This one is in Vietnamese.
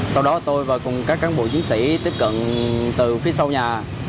sau đó tôi và cùng các cán bộ chiến sĩ tiếp cận từ phía sau nhà